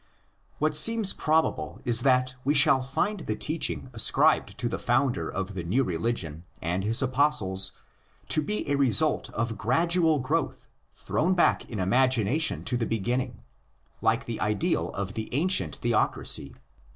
What seems probable is that we shall find the teaching ascribed to the founder of the new religion and his apostles to be a result of gradual growth, thrown back in imagination to the beginning, like the ideal of the ancient theocracy.